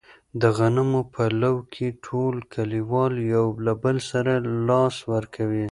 د غنمو په لو کې ټول کلیوال یو له بل سره لاس ورکوي.